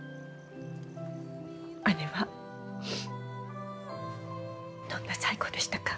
姉はどんな最期でしたか？